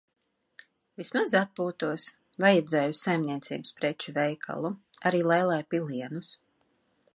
Vismaz atpūtos. Vajadzēja uz saimniecības preču veikalu, arī Leilai pilienus.